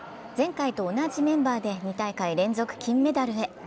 前回と同じメンバーで２大会連続金メダルへ。